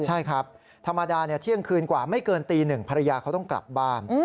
ใช่ครับธรรมดาเที่ยงคืนกว่าไม่เกินตีหนึ่งภรรยาเขาต้องกลับบ้าน